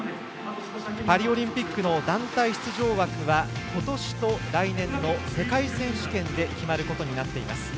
パリオリンピックの団体出場枠はことしと来年の世界選手権で決まることになっています。